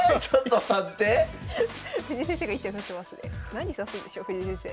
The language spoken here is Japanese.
何指すんでしょう藤井先生。